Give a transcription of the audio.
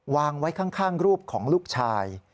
วางไว้ข้างรูปของลูกชาย